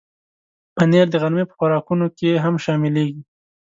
پنېر د غرمې په خوراکونو کې هم شاملېږي.